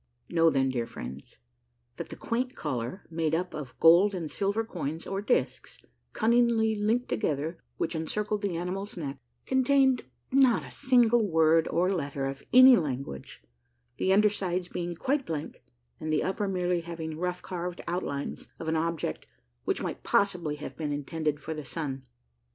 Know then, dear friends, that the quaint collar, made up of gold and silver coins, or disks, cunningly linked together, which encircled the animal's neck, contained not a single word or letter of any language, the undersides being quite blank, and the upper merely having roughly carved outlines of an object which might possibly have been intended for the sun.